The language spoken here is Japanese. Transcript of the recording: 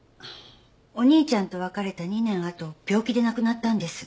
お兄ちゃんと別れた２年あと病気で亡くなったんです。